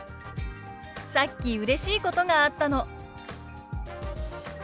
「さっきうれしいことがあったの」。